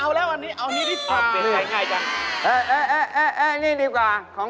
อ้าวนี่มามีอะไรทำเสนอมีอะไรทำเสนอ